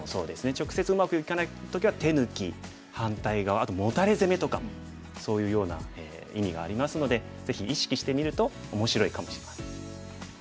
直接うまくいかない時は手抜き反対側あとモタレ攻めとかもそういうような意味がありますのでぜひ意識してみると面白いかもしれません。